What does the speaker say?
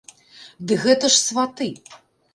Ды гэта ж сваты!